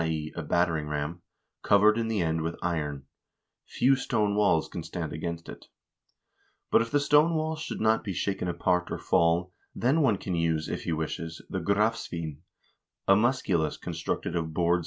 e. a battering ram), covered in the end with iron ; few stone walls can stand against it. But if the stone wall should not be shaken apart or fall, then one can use, if he wishes, the grafsv&n.